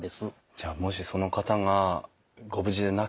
じゃあもしその方がご無事でなければ。